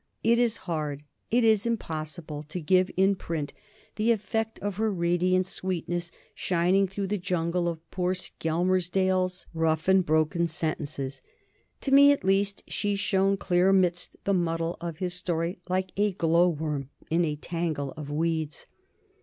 It is hard, it is impossible, to give in print the effect of her radiant sweetness shining through the jungle of poor Skelmersdale's rough and broken sentences. To me, at least, she shone clear amidst the muddle of his story like a glow worm in a tangle of weeds.